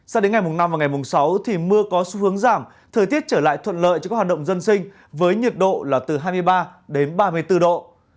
sau đến ngày năm và ngày sáu mưa có xu hướng giảm thời tiết trở lại thuận lợi cho các hoạt động dân sinh với nhiệt độ là từ hai mươi ba ba mươi bốn độ